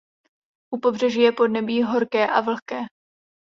U pobřeží je podnebí horké a vlhké.